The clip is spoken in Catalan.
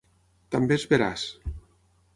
També és veraç.